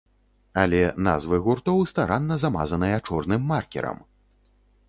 Але назвы гуртоў старанна замазаныя чорным маркерам!